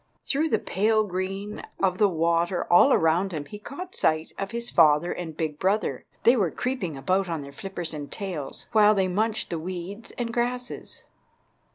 Through the pale green of the water all around him he caught sight of his father and big brother. They were creeping about on their flippers and tails, while they munched the weeds and grasses.